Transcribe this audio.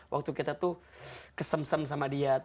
waktu kita tuh kesem sem sama dia